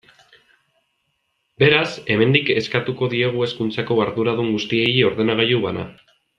Beraz, hemendik eskatuko diegu hezkuntzako arduradun guztiei ordenagailu bana.